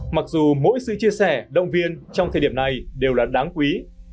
mặc dù mỗi sự chia sẻ động viên trong thời điểm này đều là đáng quý